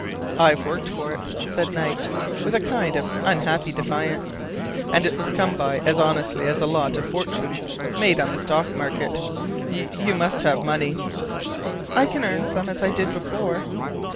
"I've worked for it," Knight said, with a kind of unhappy defiance, "and it was come by as honestly as a lot of fortunes made on the stock market. You must have money " "I can earn some, as I did before."